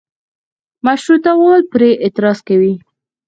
مشروطه وال پرې اعتراض کوي.